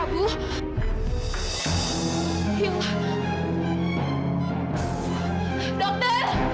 masih berani memperhatikan saya